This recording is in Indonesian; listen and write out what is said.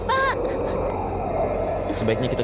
apa yang udah jadi yang ini